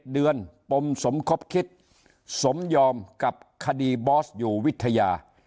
๗เดือนปมสมคบคิดสมยอมกับคดีบอสอยู่วิทยา